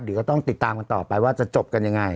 เดี๋ยวก็ต้องติดตามกันต่อไปว่าจะจบกันยังไง